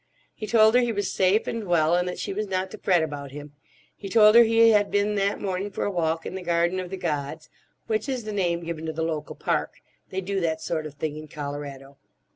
He told her he was safe and well, and that she was not to fret about him. He told her he had been that morning for a walk in the Garden of the Gods, which is the name given to the local park; they do that sort of thing in Colorado.